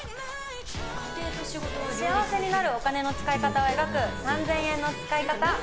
幸せになるお金の使い方を描く「三千円の使いかた」。